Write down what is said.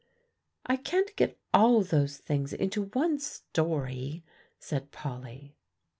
"I can't get all those things into one story," said Polly.